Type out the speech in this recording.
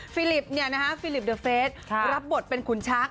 ฟิลิปเนี่ยนะฮะฟิลิปเดอร์เฟสรับบทเป็นขุนช้าก